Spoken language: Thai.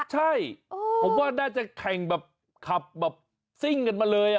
ใช่ผมว่าน่าจะแข่งแบบขับแบบซิ่งกันมาเลย